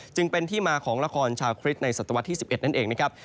จึงเป็นที่มาของละครชาคริสต์ในศตวรรษที่๑๑นั่นเองนะครับ